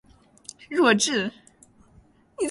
弱智？